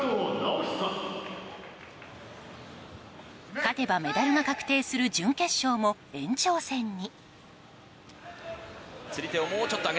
勝てばメダルが確定する準決勝も延長戦に。